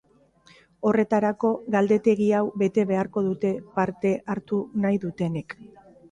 Horretarako, galdetegi hau bete beharko dute parte hartu nahi dutenek.